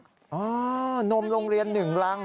อ้าวนมโรงเรียนหนึ่งรัง